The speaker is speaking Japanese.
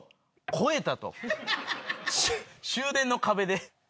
終電の壁で。